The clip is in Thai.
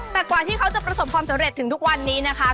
แต่กว่าที่เขาจะประสบความสำเร็จถึงทุกวันนี้นะคะ